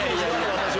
私は。